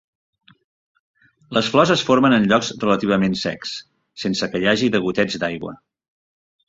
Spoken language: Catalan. Les flors es formen en llocs relativament secs, sense que hi hagi degoteig d'aigua.